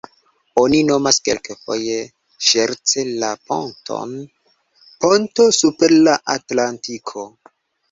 Oni nomas kelkfoje, ŝerce la ponton ponto super la Atlantiko.